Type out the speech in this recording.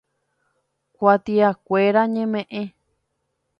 Kuatiakuéra ñemeʼẽ.